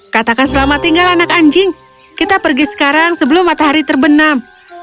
katakan selamat tinggal anak anjing kita pergi sekarang sebelum matahari terbenam